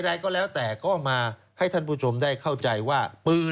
ใดก็แล้วแต่ก็มาให้ท่านผู้ชมได้เข้าใจว่าปืน